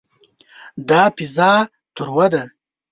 دا پیزا تروه ده.